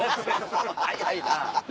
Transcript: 早いな。